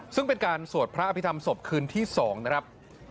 ซึ่งเป็นการสวดพระอภิษฐรรมศพคืนที่๒นะครับ